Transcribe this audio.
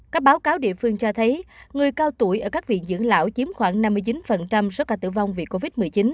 các báo cáo địa phương cho thấy người cao tuổi ở các viện dưỡng lão chiếm khoảng năm mươi chín số ca tử vong vì covid một mươi chín